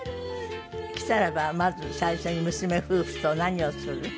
来たらばまず最初に娘夫婦と何をする？